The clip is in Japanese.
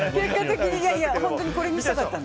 本当にこれにしたかったの。